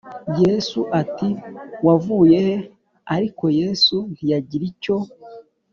Yesu ati Wavuye he Ariko Yesu ntiyagira icyo